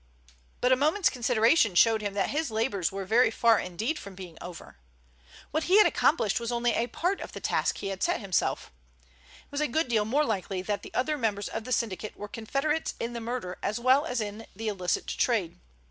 But a moment's consideration showed him that his labors were very far indeed from being over. What he had accomplished was only a part of the task he had set himself. It was a good deal more likely that the other members of the syndicate were confederates in the murder as well as in the illicit trade.